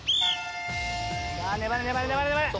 さあ粘れ粘れ粘れ粘れ。